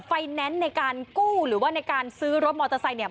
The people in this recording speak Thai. แนนซ์ในการกู้หรือว่าในการซื้อรถมอเตอร์ไซค์เนี่ย